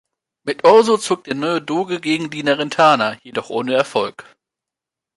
Mit Orso zog der neue Doge gegen die Narentaner, jedoch ohne Erfolg.